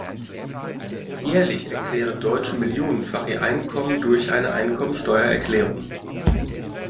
Jährlich erklären Deutsche millionenfach ihr Einkommen durch eine Einkommensteuererklärung.